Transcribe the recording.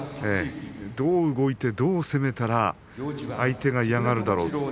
どう動いてどう攻めたら相手が嫌がるだろう。